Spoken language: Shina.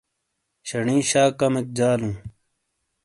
شنی شا کمیک جالوں ۔